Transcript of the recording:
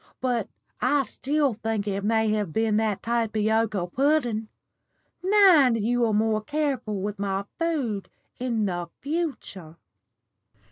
But I still think it may have been that tapioca pudden. Mind you are more careful with my food in the future."